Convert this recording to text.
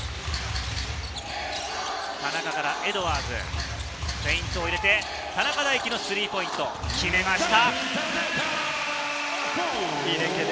田中からエドワーズ、フェイントを入れて、田中大貴のスリーポイント決めました。